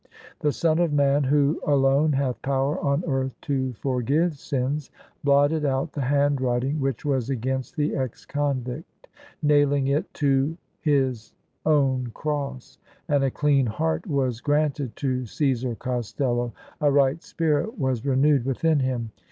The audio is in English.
The Son of Man Who done hath power on earth to forgive sins, blotted out the handwriting which was against the ex KX)n vict, nailing it to His Own Cross: and a clean heart was granted to Caesar Costello, a right spirit was renewed within him.